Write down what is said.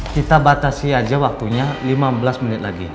kita batasi aja waktunya lima belas menit lagi